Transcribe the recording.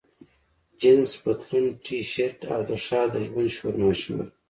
جینس پتلون، ټي شرټ، او د ښار د ژوند شورماشور.